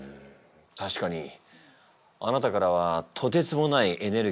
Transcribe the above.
確かにあなたからはとてつもないエネルギーを感じる。